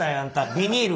ビニール